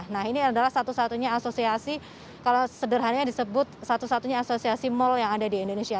nah ini adalah satu satunya asosiasi kalau sederhananya disebut satu satunya asosiasi mal yang ada di indonesia